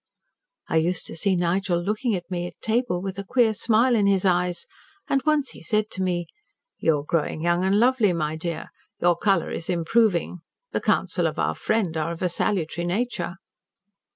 I used to see Nigel looking at me at table with a queer smile in his eyes and once he said to me 'You are growing young and lovely, my dear. Your colour is improving. The counsels of our friend are of a salutary nature.'